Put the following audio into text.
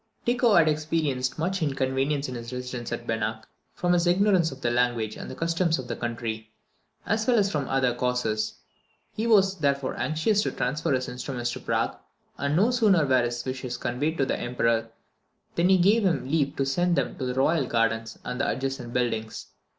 Tycho had experienced much inconvenience in his residence at Benach, from his ignorance of the language and customs of the country, as well as from other causes. He was therefore anxious to transfer his instruments to Prague; and no sooner were his wishes conveyed to the Emperor than he gave him leave to send them to the royal gardens and the adjacent buildings.